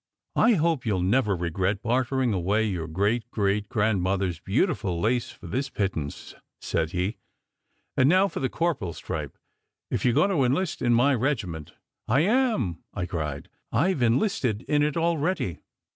"I hope you ll never regret bartering away your great great grandmother s beautiful lace for this pittance," said he. " And now for the corporal s stripe, if you re going to enlist in my regiment." "I am," I cried. "I ve enlisted in it already."